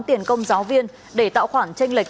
tiền công giáo viên để tạo khoản tranh lệch